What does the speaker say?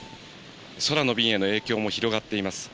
空の便への影響も広がっています。